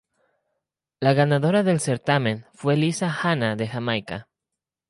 La ganadora del certamen fue Lisa Hanna de Jamaica.